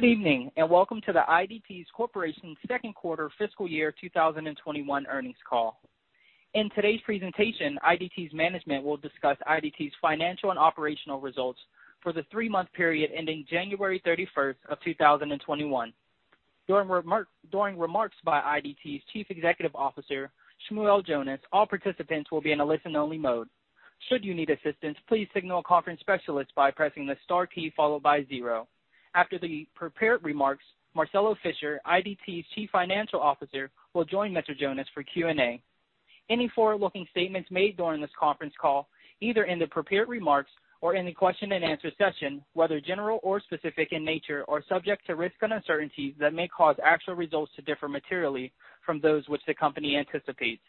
Good evening and welcome to the IDT Corporation's Second Quarter Fiscal Year 2021 Earnings Call. In today's presentation, IDT's management will discuss IDT's financial and operational results for the three-month period ending January 31st of 2021. During remarks by IDT's Chief Executive Officer, Shmuel Jonas, all participants will be in a listen-only mode. Should you need assistance, please signal a conference specialist by pressing the star key followed by zero. After the prepared remarks, Marcelo Fischer, IDT's Chief Financial Officer, will join Mr. Jonas for Q&A. Any forward-looking statements made during this conference call, either in the prepared remarks or in the question-and-answer session, whether general or specific in nature, are subject to risk and uncertainties that may cause actual results to differ materially from those which the company anticipates.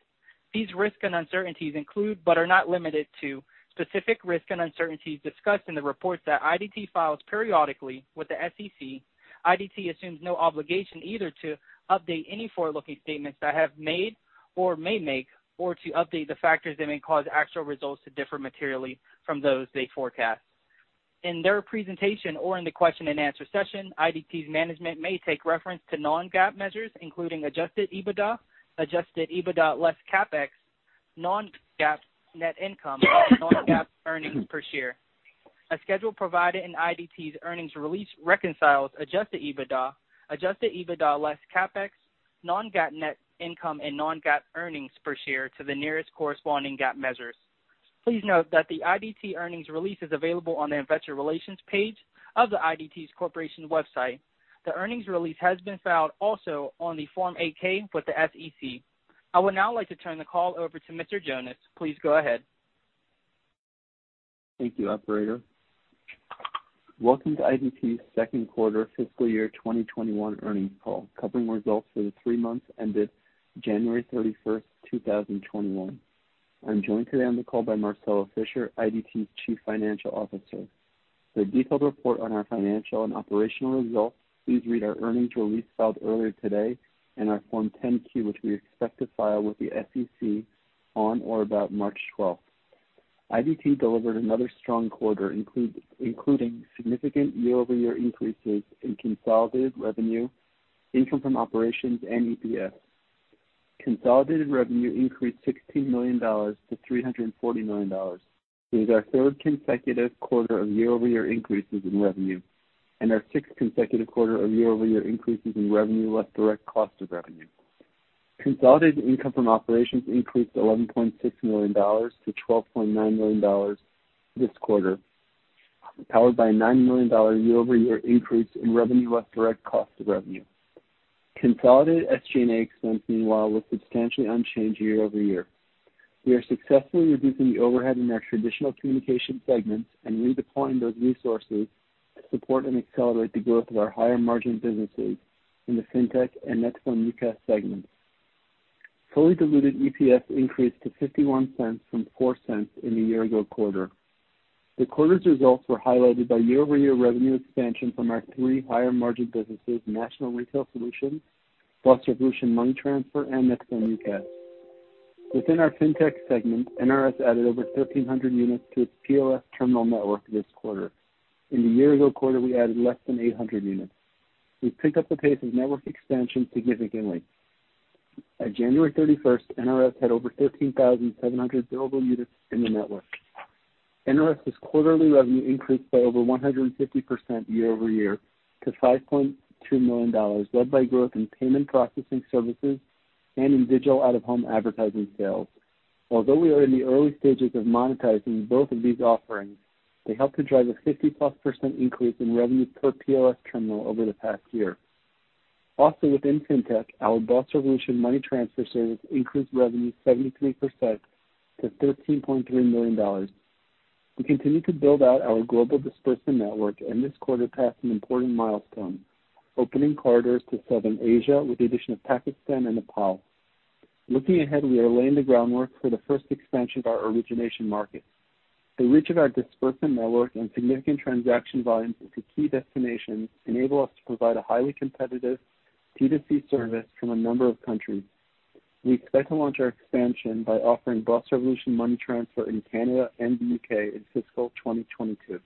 These risks and uncertainties include, but are not limited to, specific risks and uncertainties discussed in the reports that IDT files periodically with the SEC. IDT assumes no obligation either to update any forward-looking statements that it has made or may make, or to update the factors that may cause actual results to differ materially from those they forecast. In their presentation or in the question-and-answer session, IDT's management may make reference to non-GAAP measures, including Adjusted EBITDA, Adjusted EBITDA less CapEx, non-GAAP net income, and non-GAAP earnings per share. A schedule provided in IDT's earnings release reconciles Adjusted EBITDA, Adjusted EBITDA less CapEx, non-GAAP net income, and non-GAAP earnings per share to the nearest corresponding GAAP measures. Please note that the IDT earnings release is available on the Investor Relations page of IDT Corporation's website. The earnings release has also been filed on the Form 8-K with the SEC. I would now like to turn the call over to Mr. Jonas. Please go ahead. Thank you, Operator. Welcome to IDT's Second Quarter Fiscal Year 2021 Earnings Call, covering results for the three months ended January 31st, 2021. I'm joined today on the call by Marcelo Fischer, IDT's Chief Financial Officer. For a detailed report on our financial and operational results, please read our earnings release filed earlier today and our Form 10-Q, which we expect to file with the SEC on or about March 12th. IDT delivered another strong quarter, including significant year-over-year increases in consolidated revenue, income from operations, and EPS. Consolidated revenue increased $16 million to $340 million. It is our third consecutive quarter of year-over-year increases in revenue, and our sixth consecutive quarter of year-over-year increases in revenue less direct cost of revenue. Consolidated income from operations increased $11.6 million to $12.9 million this quarter, powered by a $9 million year-over-year increase in revenue less direct cost of revenue. Consolidated SG&A expense, meanwhile, was substantially unchanged year-over-year. We are successfully reducing the overhead in our traditional communication segments and redeploying those resources to support and accelerate the growth of our higher-margin businesses in the fintech and next-gen UCaaS segments. Fully diluted EPS increased to $0.51 from $0.04 in the year-ago quarter. The quarter's results were highlighted by year-over-year revenue expansion from our three higher-margin businesses: National Retail Solutions, BOSS Revolution Money Transfer, and net2phone-UCaaS. Within our fintech segment, NRS added over 1,300 units to its POS terminal network this quarter. In the year-ago quarter, we added less than 800 units. We've picked up the pace of network expansion significantly. At January 31st, NRS had over 13,700 billable units in the network. NRS's quarterly revenue increased by over 150% year-over-year to $5.2 million, led by growth in payment processing services and in digital out-of-home advertising sales. Although we are in the early stages of monetizing both of these offerings, they helped to drive a 50-plus% increase in revenue per POS terminal over the past year. Also, within fintech, our BOSS Revolution Money Transfer service increased revenue 73% to $13.3 million. We continue to build out our global disbursement network, and this quarter passed an important milestone: opening corridors to Southern Asia with the addition of Pakistan and Nepal. Looking ahead, we are laying the groundwork for the first expansion of our origination market. The reach of our disbursement network and significant transaction volumes at the key destinations enable us to provide a highly competitive D2C service from a number of countries. We expect to launch our expansion by offering BOSS Revolution Money Transfer in Canada and the U.K. in fiscal 2022.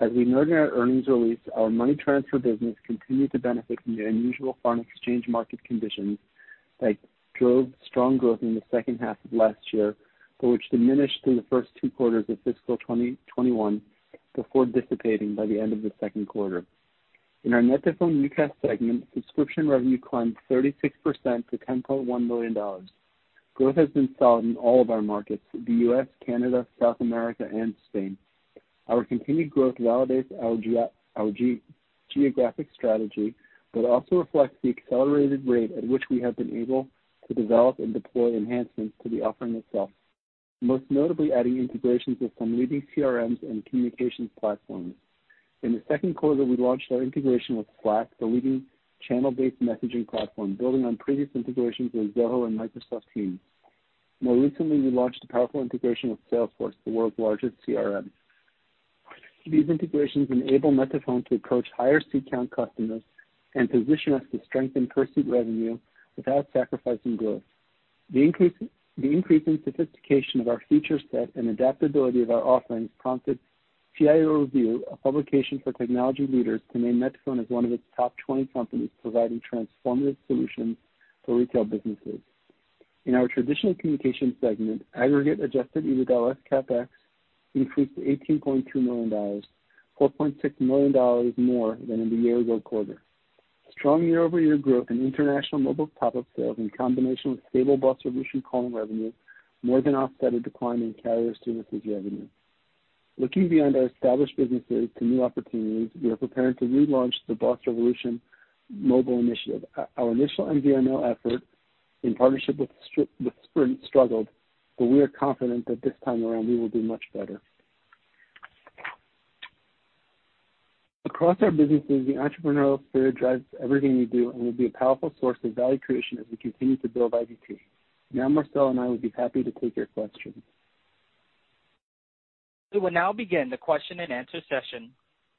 As we noted in our earnings release, our money transfer business continued to benefit from the unusual foreign exchange market conditions that drove strong growth in the second half of last year, but which diminished through the first two quarters of fiscal 2021 before dissipating by the end of the second quarter. In our net2phone-UCaaS segment, subscription revenue climbed 36% to $10.1 million. Growth has been solid in all of our markets: the U.S., Canada, South America, and Spain. Our continued growth validates our geographic strategy, but also reflects the accelerated rate at which we have been able to develop and deploy enhancements to the offering itself, most notably adding integrations with some leading CRMs and communications platforms. In the second quarter, we launched our integration with Slack, the leading channel-based messaging platform, building on previous integrations with Zoho and Microsoft Teams. More recently, we launched a powerful integration with Salesforce, the world's largest CRM. These integrations enable net2phone to approach higher seat count customers and position us to strengthen per-seat revenue without sacrificing growth. The increase in sophistication of our feature set and adaptability of our offerings prompted CIOReview publication for technology leaders to name net2phone as one of its top 20 companies providing transformative solutions for retail businesses. In our traditional communication segment, aggregate adjusted EBITDA less CapEx increased to $18.2 million, $4.6 million more than in the year-ago quarter. Strong year-over-year growth in international mobile top-up sales, in combination with stable BOSS Revolution calling revenue, more than offset decline in carrier services revenue. Looking beyond our established businesses to new opportunities, we are preparing to relaunch the BOSS Revolution mobile initiative. Our initial MVNO effort in partnership with Sprint struggled, but we are confident that this time around we will do much better. Across our businesses, the entrepreneurial spirit drives everything we do and will be a powerful source of value creation as we continue to build IDT. Now, Marcelo and I would be happy to take your questions. We will now begin the question-and-answer session.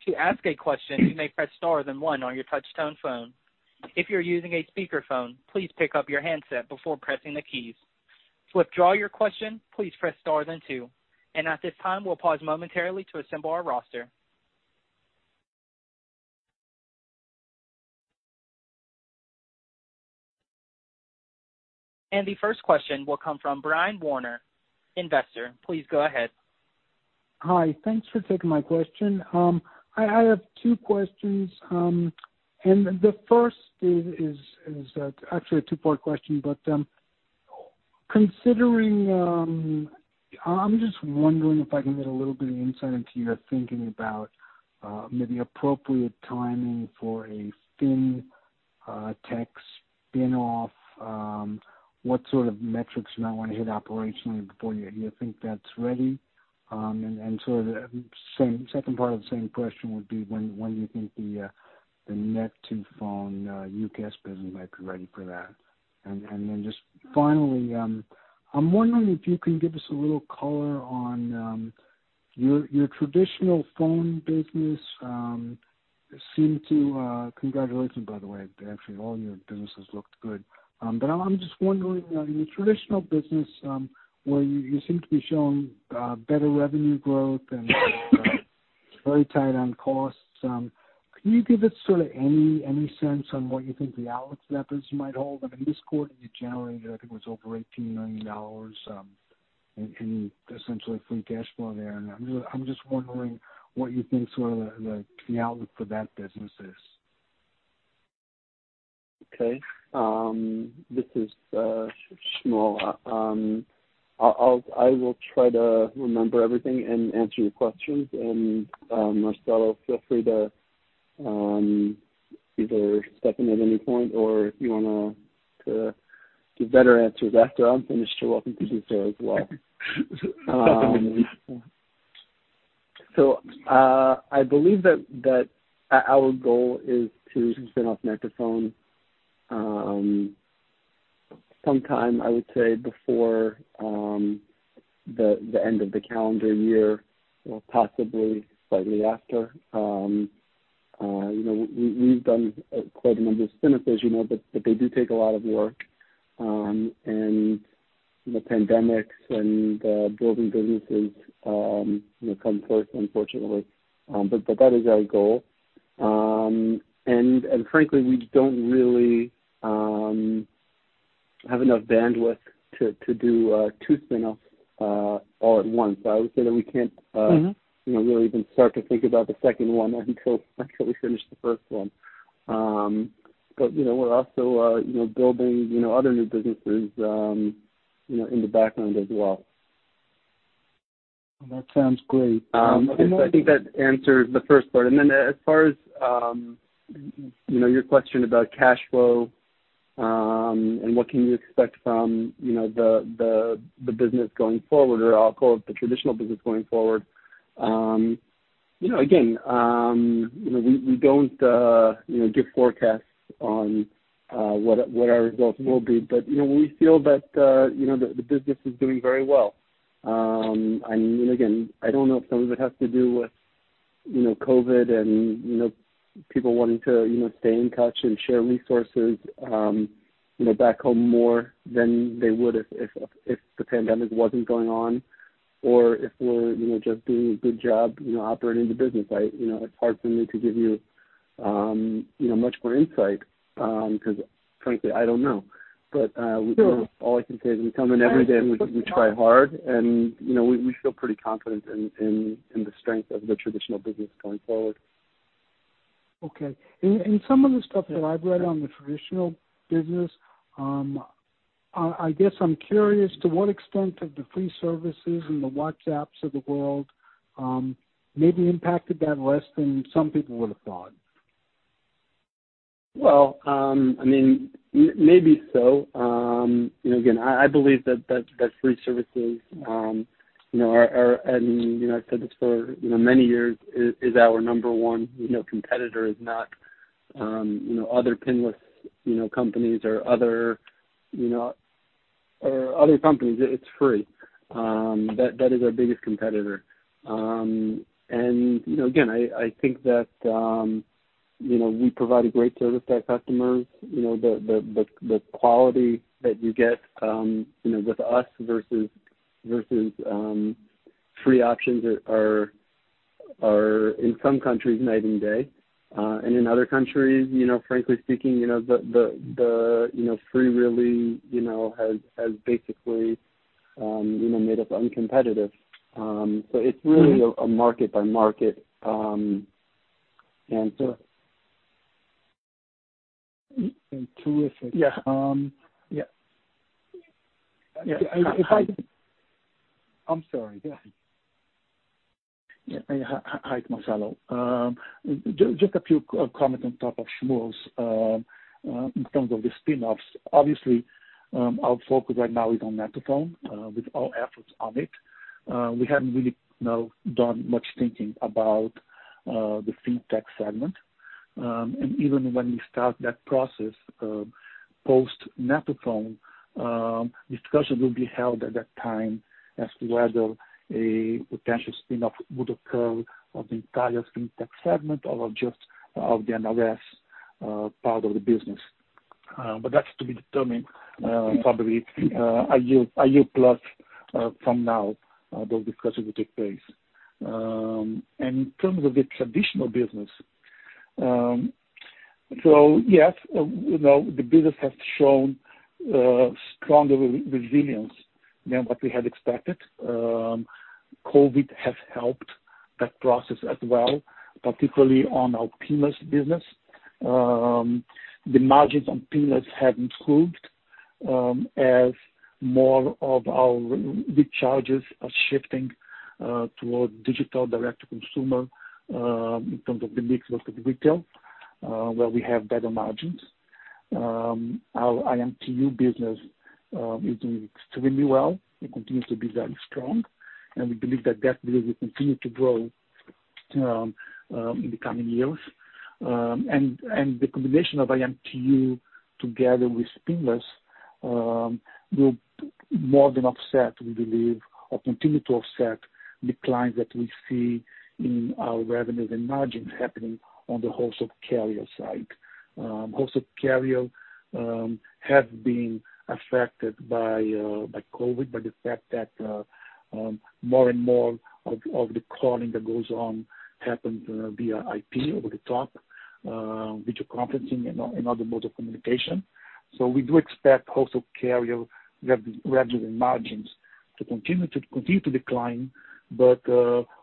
To ask a question, you may press star then one on your touch-tone phone. If you're using a speakerphone, please pick up your handset before pressing the keys. To withdraw your question, please press star then two. And at this time, we'll pause momentarily to assemble our roster. And the first question will come from Brian Warner, investor. Please go ahead. Hi. Thanks for taking my question. I have two questions. And the first is actually a two-part question, but considering I'm just wondering if I can get a little bit of insight into your thinking about maybe appropriate timing for the next spin-off. What sort of metrics you might want to hit operationally before you think that's ready? And sort of the second part of the same question would be when you think the net2phone UCaaS business might be ready for that. And then just finally, I'm wondering if you can give us a little color on your traditional phone business seemed to. Congratulations, by the way. Actually, all your businesses looked good. But I'm just wondering, in your traditional business, where you seem to be showing better revenue growth and very tight on costs, can you give us sort of any sense on what you think the outlook for that business might hold? I mean, this quarter you generated, I think it was over $18 million, and essentially a free cash flow there. And I'm just wondering what you think sort of the outlook for that business is? Okay. This is Shmuel. I will try to remember everything and answer your questions, and Marcelo, feel free to either step in at any point, or if you want to give better answers after I'm finished, you're welcome to do so as well, so I believe that our goal is to spin off net2phone sometime, I would say, before the end of the calendar year, or possibly slightly after. We've done quite a number of spin-offs, as you know, but they do take a lot of work, and the pandemics and building businesses come first, unfortunately, but that is our goal, and frankly, we don't really have enough bandwidth to do two spin-offs all at once. I would say that we can't really even start to think about the second one until we finish the first one, but we're also building other new businesses in the background as well. That sounds great. I think that answers the first part. And then, as far as your question about cash flow and what can you expect from the business going forward, or I'll call it the traditional business going forward, again, we don't give forecasts on what our results will be, but we feel that the business is doing very well. And again, I don't know if some of it has to do with COVID and people wanting to stay in touch and share resources back home more than they would if the pandemic wasn't going on, or if we're just doing a good job operating the business. It's hard for me to give you much more insight because, frankly, I don't know. But all I can say is we come in every day and we try hard, and we feel pretty confident in the strength of the traditional business going forward. Okay, and some of the stuff that I've read on the traditional business, I guess I'm curious to what extent have the free services and the WhatsApps of the world maybe impacted that less than some people would have thought? I mean, maybe so. Again, I believe that free services are, and I've said this for many years, our number one competitor, if not other pinless companies or other companies, it's free. That is our biggest competitor. Again, I think that we provide a great service to our customers. The quality that you get with us versus free options are, in some countries, night and day. In other countries, frankly speaking, the free really has basically made us uncompetitive. It's really a market-by-market answer. Terrific. Yeah. Yeah. I'm sorry. Hi, Marcelo. Just a few comments on top of Shmuel's in terms of the spin-offs. Obviously, our focus right now is on net2phone with all efforts on it. We haven't really done much thinking about the fintech segment, and even when we start that process post-net2phone, discussions will be held at that time as to whether a potential spin-off would occur of the entire fintech segment or just of the NRS part of the business, but that's to be determined probably a year plus from now, those discussions will take place, and in terms of the traditional business, so yes, the business has shown stronger resilience than what we had expected. COVID has helped that process as well, particularly on our pinless business. The margins on Pinless have improved as more of our recharges are shifting toward digital direct-to-consumer in terms of the mix with retail, where we have better margins. Our IMTU business is doing extremely well. It continues to be very strong, and we believe that that will continue to grow in the coming years, and the combination of IMTU together with Pinless will more than offset, we believe, or continue to offset declines that we see in our revenues and margins happening on the wholesale carrier side. Wholesale carrier have been affected by COVID, by the fact that more and more of the calling that goes on happens via IP over the top, video conferencing, and other modes of communication, so we do expect wholesale carrier revenues and margins to continue to decline, but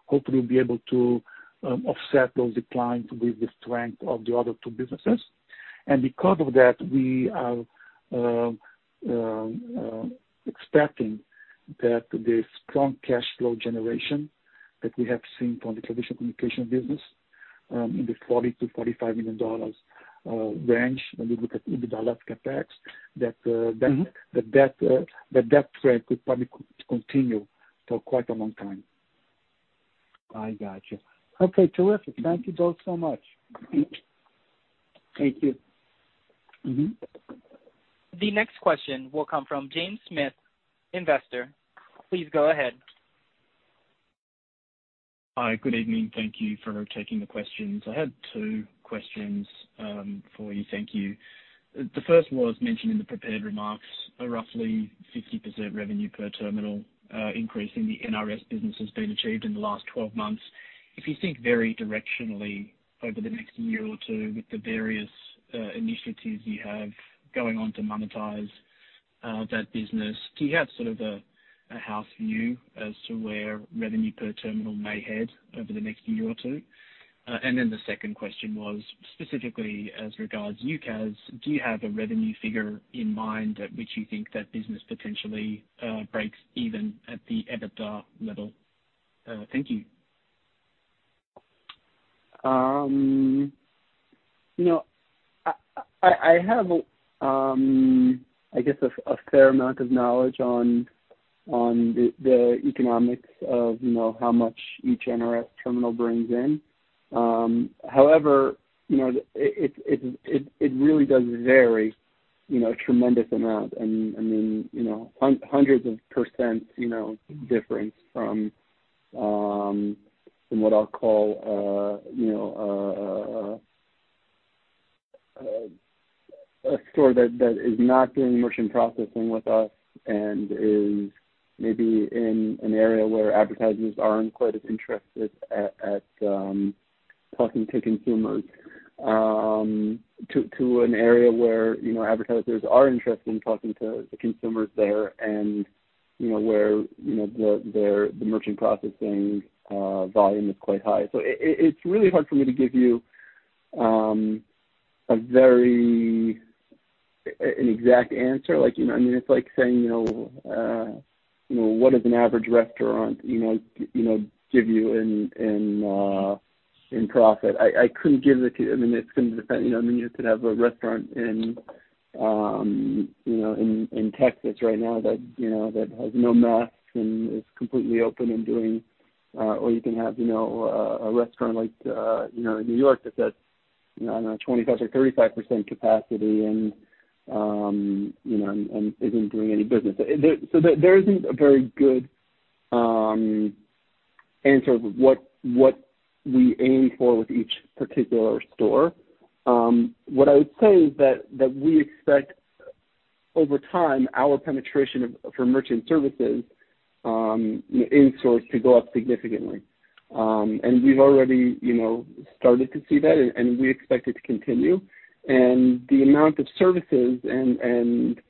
hopefully we'll be able to offset those declines with the strength of the other two businesses. Because of that, we are expecting that the strong cash flow generation that we have seen from the traditional communication business in the $40-$45 million range, when we look at EBITDA less CapEx, that that trend could probably continue for quite a long time. I gotcha. Okay. Terrific. Thank you both so much. Thank you. The next question will come from James Smith, investor. Please go ahead. Hi. Good evening. Thank you for taking the questions. I had two questions for you. Thank you. The first was mentioned in the prepared remarks, a roughly 50% revenue per terminal increase in the NRS business has been achieved in the last 12 months. If you think very directionally over the next year or two with the various initiatives you have going on to monetize that business, do you have sort of a house view as to where revenue per terminal may head over the next year or two? And then the second question was specifically as regards UCaaS, do you have a revenue figure in mind at which you think that business potentially breaks even at the EBITDA level? Thank you. I have, I guess, a fair amount of knowledge on the economics of how much each NRS terminal brings in. However, it really does vary a tremendous amount, and I mean, hundreds of % difference from what I'll call a store that is not doing merchant processing with us and is maybe in an area where advertisers aren't quite as interested at talking to consumers, to an area where advertisers are interested in talking to the consumers there and where the merchant processing volume is quite high, so it's really hard for me to give you an exact answer. I mean, it's like saying, "What does an average restaurant give you in profit?" I couldn't give it to you. I mean, it's going to depend. I mean, you could have a restaurant in Texas right now that has no mess and is completely open and doing or you can have a restaurant like in New York that's at, I don't know, 25% or 35% capacity and isn't doing any business. So there isn't a very good answer of what we aim for with each particular store. What I would say is that we expect over time our penetration for merchant services in stores to go up significantly. And we've already started to see that, and we expect it to continue. And the amount of services and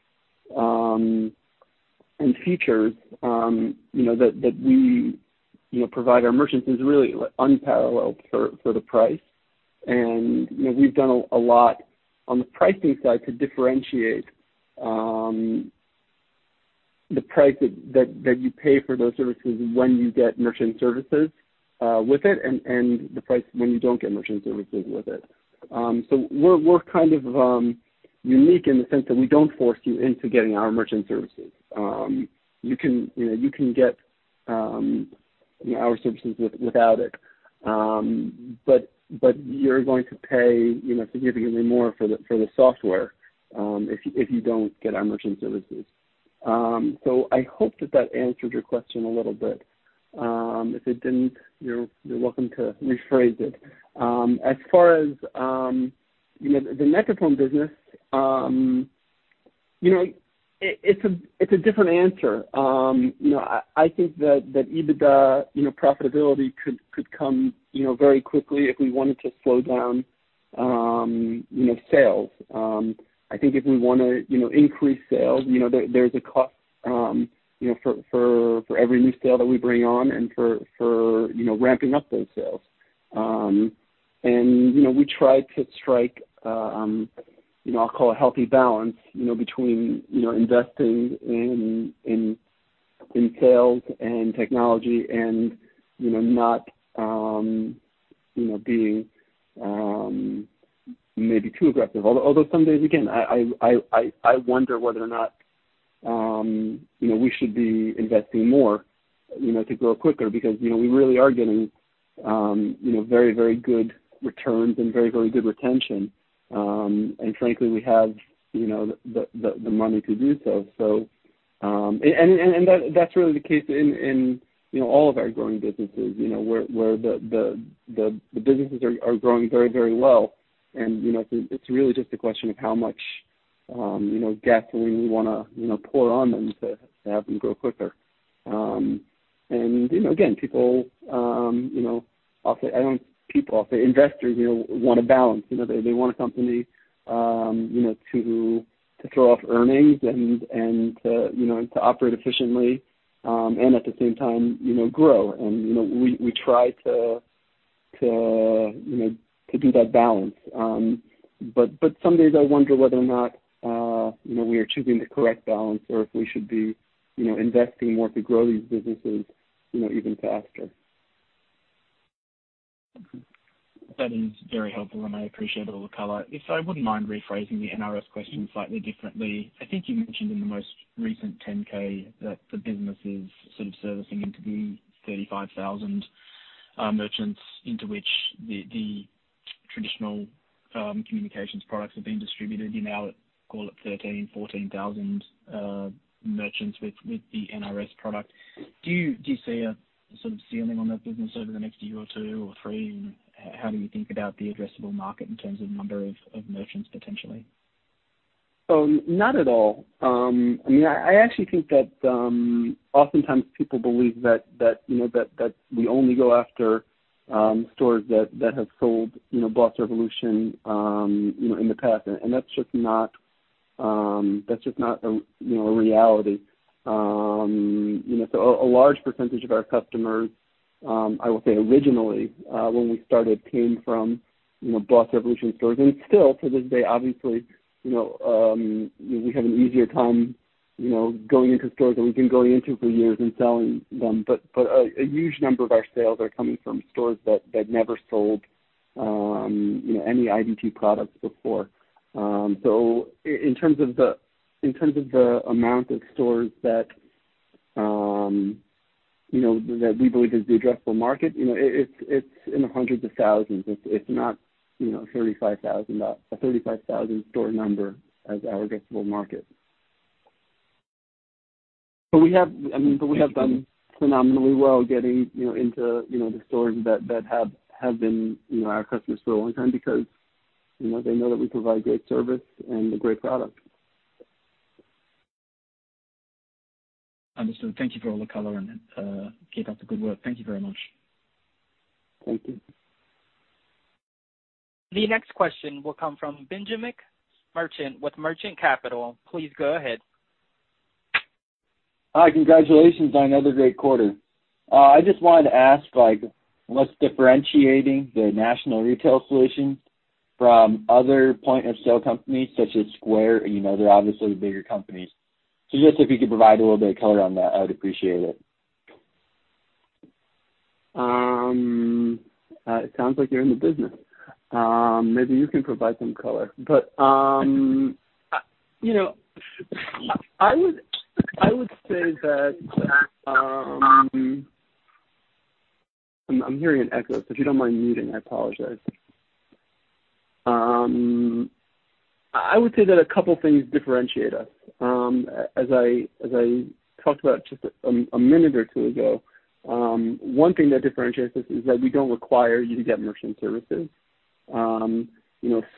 features that we provide our merchants is really unparalleled for the price. And we've done a lot on the pricing side to differentiate the price that you pay for those services when you get merchant services with it and the price when you don't get merchant services with it. So we're kind of unique in the sense that we don't force you into getting our merchant services. You can get our services without it, but you're going to pay significantly more for the software if you don't get our merchant services. So I hope that that answered your question a little bit. If it didn't, you're welcome to rephrase it. As far as the net2phone business, it's a different answer. I think that EBITDA profitability could come very quickly if we wanted to slow down sales. I think if we want to increase sales, there's a cost for every new sale that we bring on and for ramping up those sales. We try to strike, I'll call it, a healthy balance between investing in sales and technology and not being maybe too aggressive. Although some days, again, I wonder whether or not we should be investing more to grow quicker because we really are getting very, very good returns and very, very good retention. Frankly, we have the money to do so. That's really the case in all of our growing businesses, where the businesses are growing very, very well. It's really just a question of how much gasoline we want to pour on them to have them grow quicker. Again, people, I'll say, investors want a balance. They want a company to throw off earnings and to operate efficiently and at the same time grow. We try to do that balance. But some days, I wonder whether or not we are choosing the correct balance or if we should be investing more to grow these businesses even faster. That is very helpful, and I appreciate it, Shmuel. If you wouldn't mind rephrasing the NRS question slightly differently, I think you mentioned in the most recent 10-K that the business is sort of servicing into the 35,000 merchants into which the traditional communications products are being distributed. Now, call it 13,000-14,000 merchants with the NRS product. Do you see a sort of ceiling on that business over the next year or two or three? How do you think about the addressable market in terms of number of merchants potentially? Not at all. I mean, I actually think that oftentimes people believe that we only go after stores that have sold BOSS Revolution in the past, and that's just not a reality, so a large percentage of our customers, I will say originally when we started, came from BOSS Revolution stores, and still to this day, obviously, we have an easier time going into stores than we've been going into for years and selling them, but a huge number of our sales are coming from stores that never sold any IDT products before, so in terms of the amount of stores that we believe is the addressable market, it's in the hundreds of thousands. It's not a 35,000 store number as our addressable market. But we have done phenomenally well getting into the stores that have been our customers for a long time because they know that we provide great service and great products. Understood. Thank you for all the color and keep up the good work. Thank you very much. Thank you. The next question will come from Benjamin Mersch with Mersch Capital. Please go ahead. Hi. Congratulations on another great quarter. I just wanted to ask, what's differentiating National Retail Solutions from other point-of-sale companies such as Square? They're obviously bigger companies. So just if you could provide a little bit of color on that, I would appreciate it. It sounds like you're in the business. Maybe you can provide some color. But I would say that I'm hearing an echo. So if you don't mind muting, I apologize. I would say that a couple of things differentiate us. As I talked about just a minute or two ago, one thing that differentiates us is that we don't require you to get merchant services.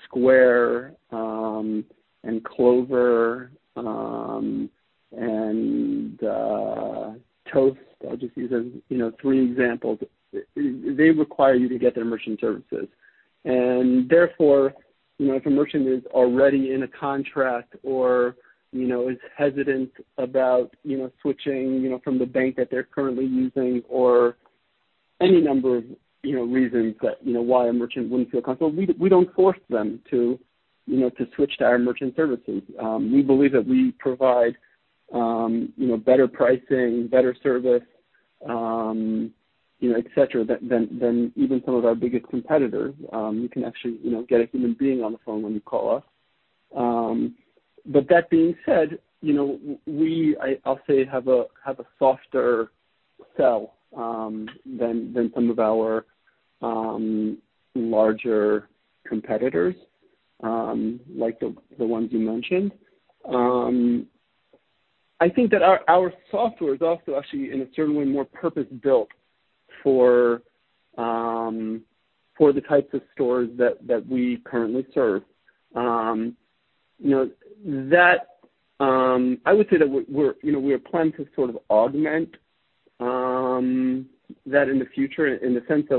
Square and Clover and Toast, I'll just use as three examples, they require you to get their merchant services. And therefore, if a merchant is already in a contract or is hesitant about switching from the bank that they're currently using or any number of reasons why a merchant wouldn't feel comfortable, we don't force them to switch to our merchant services. We believe that we provide better pricing, better service, etc., than even some of our biggest competitors. You can actually get a human being on the phone when you call us. But that being said, we, I'll say, have a softer sell than some of our larger competitors like the ones you mentioned. I think that our software is also actually, in a certain way, more purpose-built for the types of stores that we currently serve. I would say that we are planning to sort of augment that in the future in the sense that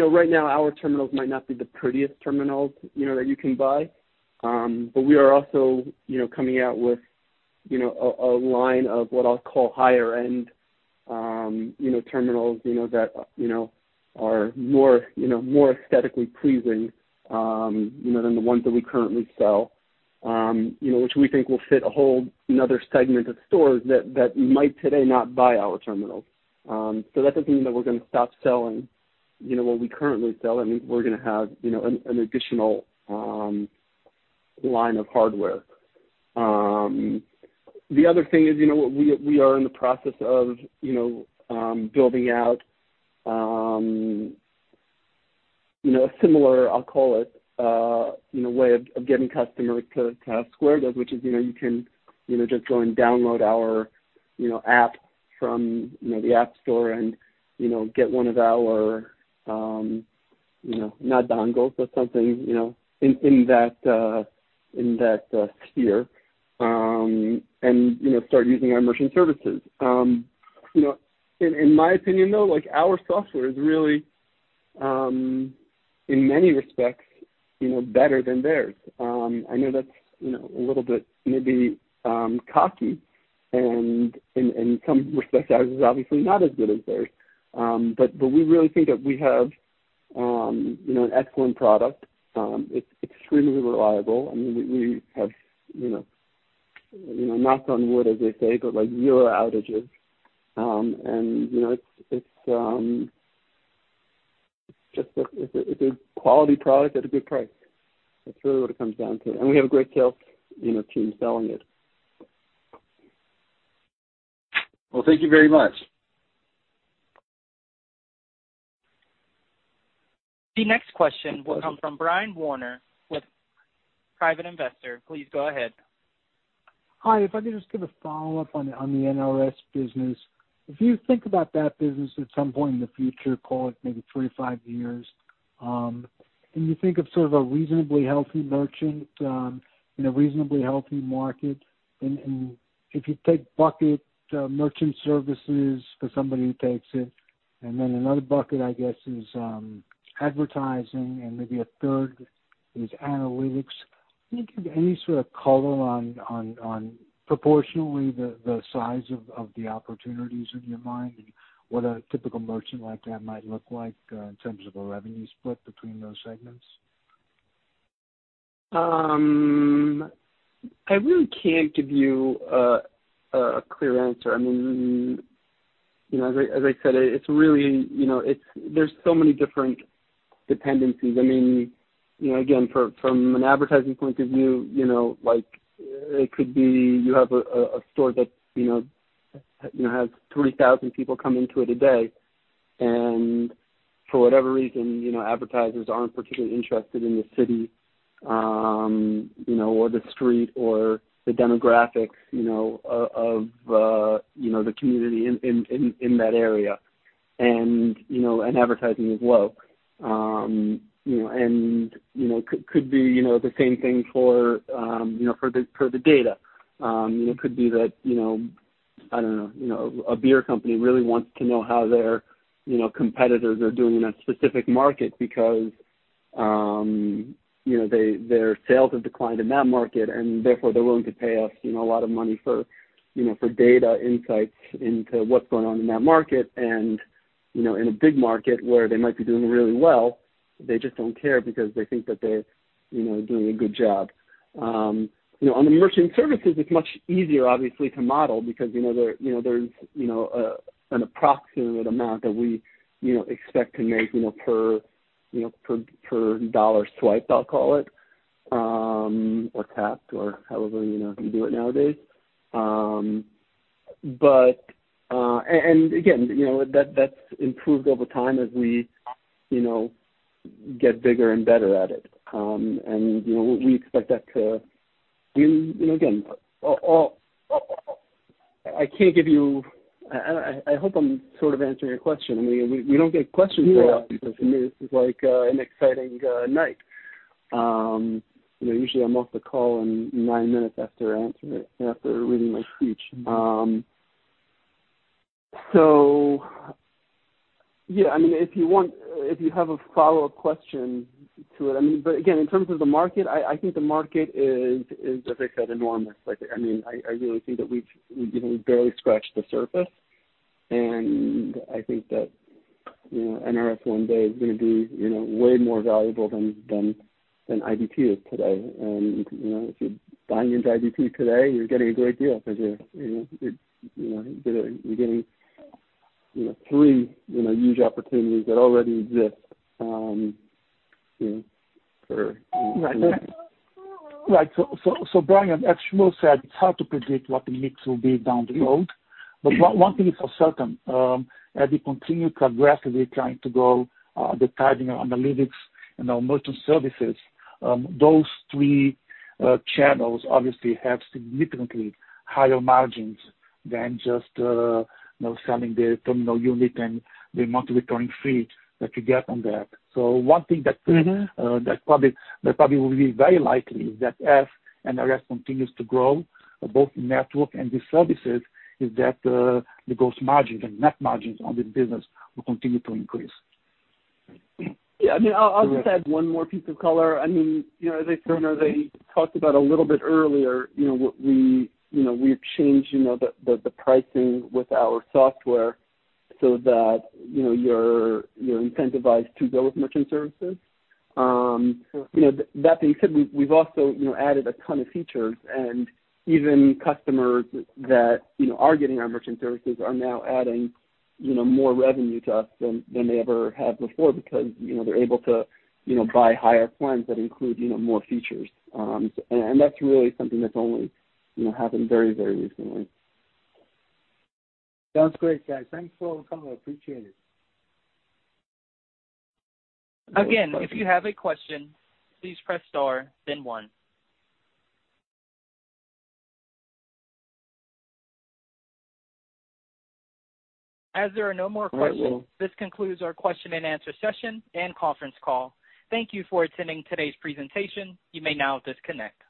right now, our terminals might not be the prettiest terminals that you can buy. But we are also coming out with a line of what I'll call higher-end terminals that are more aesthetically pleasing than the ones that we currently sell, which we think will fit a whole nother segment of stores that might today not buy our terminals. So that doesn't mean that we're going to stop selling what we currently sell. I mean, we're going to have an additional line of hardware. The other thing is we are in the process of building out a similar, I'll call it, way of getting customers to Square does, which is you can just go and download our app from the app store and get one of our not dongles, but something in that sphere and start using our merchant services. In my opinion, though, our software is really, in many respects, better than theirs. I know that's a little bit maybe cocky and in some respects, obviously not as good as theirs. But we really think that we have an excellent product. It's extremely reliable. I mean, we have knocks on wood, as they say, but zero outages. And it's just a quality product at a good price. That's really what it comes down to, and we have a great sales team selling it. Thank you very much. The next question will come from Brian Warner with Private Investor. Please go ahead. Hi. If I could just give a follow-up on the NRS business. If you think about that business at some point in the future, call it maybe three or five years, and you think of sort of a reasonably healthy merchant in a reasonably healthy market, and if you take bucket merchant services for somebody who takes it, and then another bucket, I guess, is advertising, and maybe a third is analytics. Can you give any sort of color on proportionally the size of the opportunities in your mind and what a typical merchant like that might look like in terms of a revenue split between those segments? I really can't give you a clear answer. I mean, as I said, it's really, there's so many different dependencies. I mean, again, from an advertising point of view, it could be you have a store that has 3,000 people come into it a day, and for whatever reason, advertisers aren't particularly interested in the city or the street or the demographics of the community in that area, and advertising is low. And it could be the same thing for the data. It could be that, I don't know, a beer company really wants to know how their competitors are doing in a specific market because their sales have declined in that market, and therefore, they're willing to pay us a lot of money for data insights into what's going on in that market. In a big market where they might be doing really well, they just don't care because they think that they're doing a good job. On the merchant services, it's much easier, obviously, to model because there's an approximate amount that we expect to make per dollar swiped, I'll call it, or tapped, or however you do it nowadays. And again, that's improved over time as we get bigger and better at it. And we expect that to again. I can't give you. I hope I'm sort of answering your question. I mean, we don't get questions right often because for me, this is like an exciting night. Usually, I'm off the call in nine minutes after reading my speech. So yeah, I mean, if you have a follow-up question to it, I mean, but again, in terms of the market, I think the market is, as I said, enormous. I mean, I really think that we've barely scratched the surface. And I think that NRS one day is going to be way more valuable than IDT is today. And if you're buying into IDT today, you're getting a great deal because you're getting three huge opportunities that already exist for. Right. So Brian, as Shmuel said, it's hard to predict what the mix will be down the road. But one thing is for certain, as we continue to aggressively trying to grow the typing analytics and our merchant services, those three channels obviously have significantly higher margins than just selling the terminal unit and the monthly recurring fee that you get on that. So one thing that probably will be very likely is that as NRS continues to grow, both network and the services, is that the gross margins and net margins on the business will continue to increase. Yeah. I mean, I'll just add one more piece of color. I mean, as I said, as I talked about a little bit earlier, we've changed the pricing with our software so that you're incentivized to go with merchant services. That being said, we've also added a ton of features. And even customers that are getting our merchant services are now adding more revenue to us than they ever have before because they're able to buy higher plans that include more features. And that's really something that's only happened very, very recently. Sounds great, guys. Thanks for all the color. Appreciate it. Again, if you have a question, please press star, then one. As there are no more questions, this concludes our question and answer session and conference call. Thank you for attending today's presentation. You may now disconnect.